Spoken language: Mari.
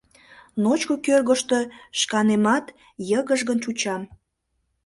Ночко кӧргыштӧ шканемат йыгыжгын чучам.